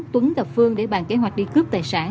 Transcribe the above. tuấn đập phương để bàn kế hoạch đi cướp tài sản